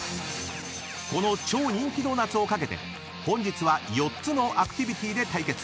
［この超人気ドーナツを懸けて本日は４つのアクティビティで対決］